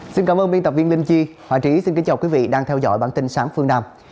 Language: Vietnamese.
xin cảm ơn biên tập viên linh chi hòa trí xin kính chào quý vị đang theo dõi bản tin sáng phương nam